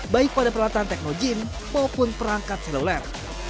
baik pada peralatan tekno gym maupun perangkat seluler